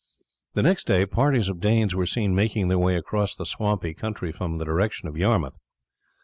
The next day parties of Danes were seen making their way across the swampy country from the direction of Yarmouth.